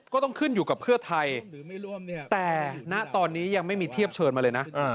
ก็ต้องขึ้นอยู่กับเพื่อไทยแต่ณตอนนี้ยังไม่มีเทียบเชิญมาเลยนะ